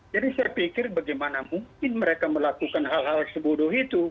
jadi saya pikir bagaimana mungkin mereka melakukan hal hal sebuduh itu